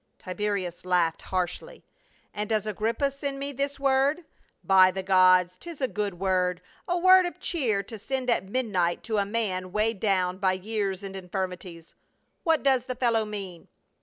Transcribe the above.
Tiberius laughed harshly. "And does Agrippa send me this word ? By the gods, 'tis a good word, a word of cheer to send at midnight to a man weighed down by years and infirmities. What does the fellow mean